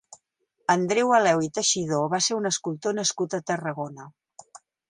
Andreu Aleu i Teixidor va ser un escultor nascut a Tarragona.